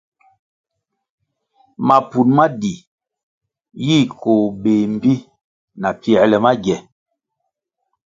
Mapun ma di yi koh béh mbpi na pfięrle magie.